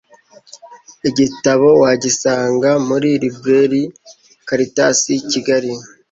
Igitabo wagisanga muri Librairie Caritas-Kigali